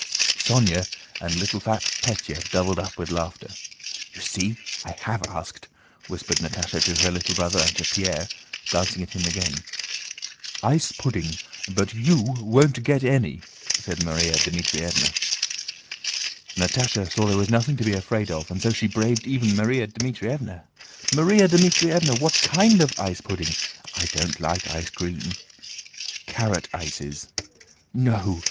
Sónya and fat little Pétya doubled up with laughter. "You see! I have asked," whispered Natásha to her little brother and to Pierre, glancing at him again. "Ice pudding, but you won't get any," said Márya Dmítrievna. Natásha saw there was nothing to be afraid of and so she braved even Márya Dmítrievna. "Márya Dmítrievna! What kind of ice pudding? I don't like ice cream." "Carrot ices." "No!